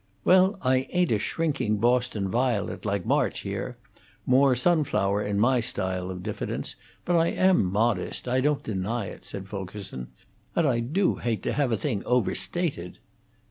"Well, I ain't a shrinking Boston violet, like March, here. More sunflower in my style of diffidence; but I am modest, I don't deny it," said Fulkerson. "And I do hate to have a thing overstated."